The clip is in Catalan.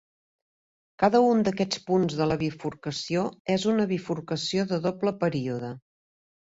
Cada un d'aquests punts de la bifurcació és una bifurcació de doble període.